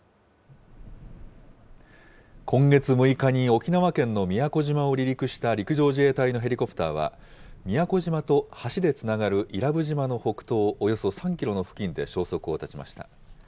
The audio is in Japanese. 今月６日に沖縄県の宮古島を離陸した陸上自衛隊のヘリコプターは、宮古島と橋でつながる伊良部島の北東およそ３キロの付近で消息を絶ちました。